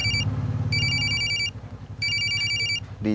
saeb tiba di sini